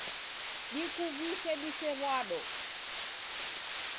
Dikuvise disew'ado.